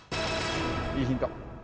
いいヒント